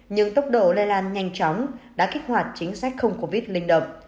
nhưng tốc độ lây lan nhanh chóng đã kích hoạt chính sách không covid linh động